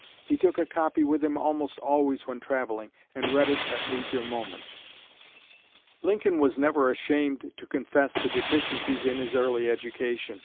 He took a copy with him almost always when travelling, and read it at leisure moments." Lincoln was never ashamed to confess the deficiencies in his early education.